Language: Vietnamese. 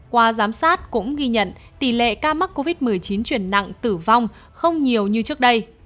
qua giám sát cũng ghi nhận tỷ lệ ca mắc covid một mươi chín chuyển nặng tử vong không nhiều như trước đây